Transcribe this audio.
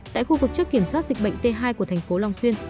tại khu vực trước kiểm soát dịch bệnh t hai của thành phố long xuyên